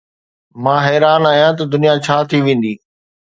مان حيران آهيان ته دنيا ڇا ٿي ويندي